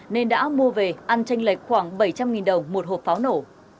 nên đã mua về ăn tranh lệch khoảng bảy trăm linh đồng một hộp pháo nổ